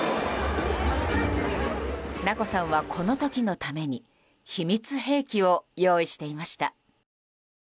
菜子さんはこの時のために秘密兵器を用意していました。